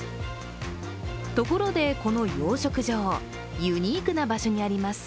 ところで、この養殖場、ユニークな場所にあります。